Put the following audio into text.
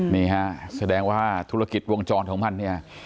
นี่ฮะแสดงว่าธุรกิจวงจรของมันเนี่ย